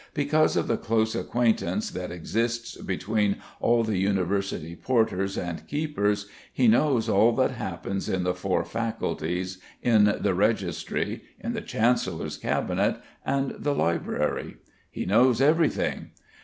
Because of the close acquaintance that exists between all the University porters and keepers, he knows all that happens in the four faculties, in the registry, in the chancellor's cabinet, and the library. He knows everything.